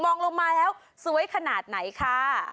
ลงมาแล้วสวยขนาดไหนค่ะ